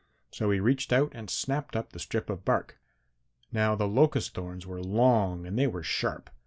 So he reached out and snapped up the strip of bark. "Now the locust thorns were long and they were sharp.